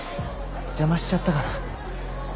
邪魔しちゃったかな。